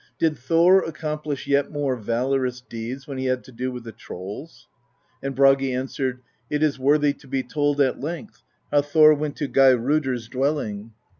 Did Thor accomplish yet more valorous deeds when he had to do with the trolls?" And Bragi answered: "It is worthy to be told at length, how Thor went to Geirrodr's dwelling.